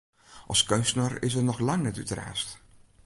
As keunstner is er noch lang net útraasd.